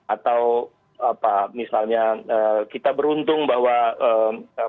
atau apa misalnya kita beruntung bahwa